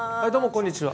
こんにちは。